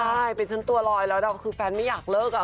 ใช่เป็นฉันตัวลอยแล้วนะคือแฟนไม่อยากเลิกอะ